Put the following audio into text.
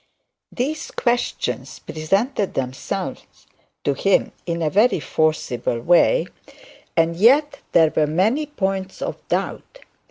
These questions presented themselves to him in a very forcible way, and yet there were many points of doubt.